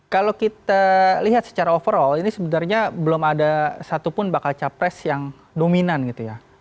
kalau kita lihat secara overall ini sebenarnya belum ada satupun bakal capres yang dominan gitu ya